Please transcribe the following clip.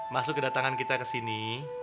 masuk kedatangan kita kesini